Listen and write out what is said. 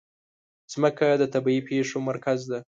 مځکه د طبیعي پېښو مرکز ده.